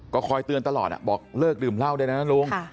ก็คอยเตือนตลอดบอกเลิกดื่มเหล้าได้นะลุง